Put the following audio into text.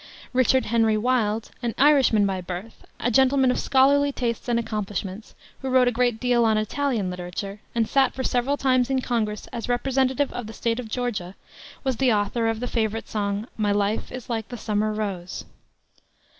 Richard Henry Wilde, an Irishman by birth, a gentleman of scholarly tastes and accomplishments, who wrote a great deal on Italian literature, and sat for several terms in Congress as Representative of the State of Georgia, was the author of the favorite song, My Life is Like the Summer Rose.